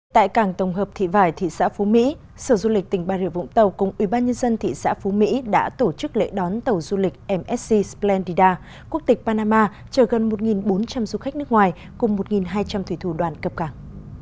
tại cảng tổng hợp thị vải thị xã phú mỹ sở du lịch tỉnh bà rịa vũng tàu cùng ubnd thị xã phú mỹ đã tổ chức lễ đón tàu du lịch msc splendida quốc tịch panama chờ gần một bốn trăm linh du khách nước ngoài cùng một hai trăm linh thủy thủ đoàn cập cảng